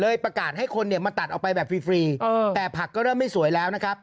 ประกาศให้คนเนี่ยมาตัดออกไปแบบฟรีแต่ผักก็เริ่มไม่สวยแล้วนะครับ